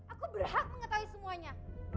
aku berhak mengetahui semuanya